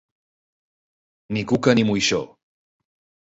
Ni cuca ni moixó.